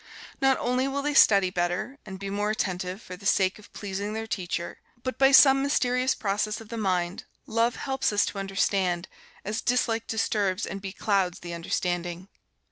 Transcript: Not only will they study better, and be more attentive, for the sake of pleasing their teacher, but by some mysterious process of the mind, love helps us to understand, as dislike disturbs and beclouds the understanding.